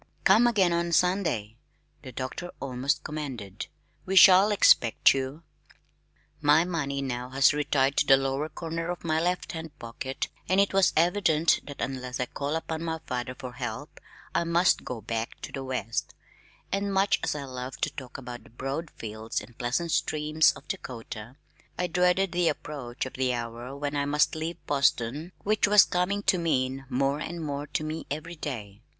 "Come again on Sunday," the doctor almost commanded. "We shall expect you." My money had now retired to the lower corner of my left hand pocket and it was evident that unless I called upon my father for help I must go back to the West; and much as I loved to talk of the broad fields and pleasant streams of Dakota, I dreaded the approach of the hour when I must leave Boston, which was coming to mean more and more to me every day.